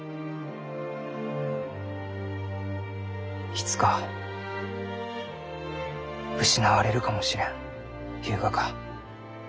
いつか失われるかもしれんゆうがか？